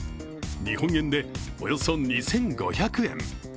日本円でおよそ２５００円。